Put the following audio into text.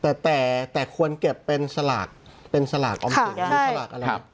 แต่แต่แต่ควรเก็บเป็นสลากเป็นสลากค่ะใช่สลากอะไรครับ